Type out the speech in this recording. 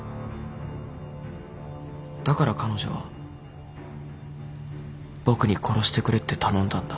だから彼女は僕に殺してくれって頼んだんだ。